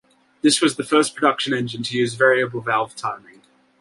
This was the first production engine to use variable valve timing.